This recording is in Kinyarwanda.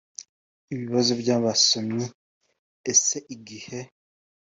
Ibibazo by abasomyi Ese igihe